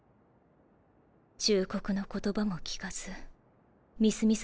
忠告の言葉も聞かずみすみす